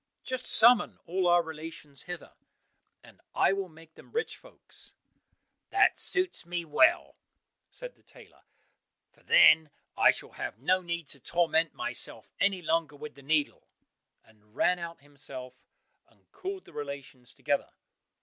Just summon all our relations hither, and I will make them rich folks." "That suits me well," said the tailor, "for then I shall have no need to torment myself any longer with the needle," and ran out himself and called the relations together.